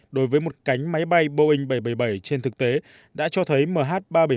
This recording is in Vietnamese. đối với một cánh máy bay boeing bảy trăm bảy mươi bảy trên thực tế đã cho thấy mh ba trăm bảy mươi bảy